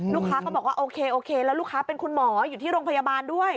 ลูกค้าก็บอกว่าโอเคโอเคแล้วลูกค้าเป็นคุณหมออยู่ที่โรงพยาบาลด้วย